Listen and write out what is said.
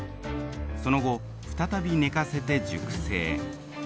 その後再び寝かせて熟成。